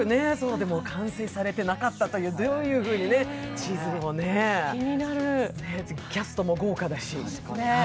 でも、完成されていなかったという、どういうふうに地図をねキャストも豪華だし。